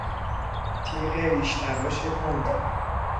تیغ ریش تراش کند